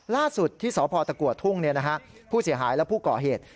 ล่าสุดที่สพตะกัวทุ่งผู้เสียหายและผู้ก่อเหตุ